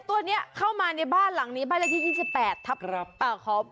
ตัวนี้เข้ามาในบ้านหลังนี้บ้านเลขที่๒๘ทับ